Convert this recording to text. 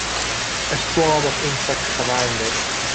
A swarm of insects surround it.